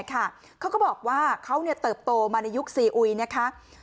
เขาก็บอกว่าเขาเติบโตมาในยุคซีอุยนะคะ